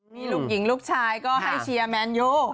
นี่ลูกหญิงลูกชายก็ให้เชียร์แมนยู